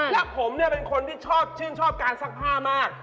และผมเนี่ยเป็นคนที่ชอบชื่นชอบการซักผ้ามาก